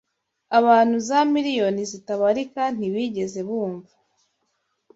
Abantu za miliyoni zitabarika ntibigeze bumva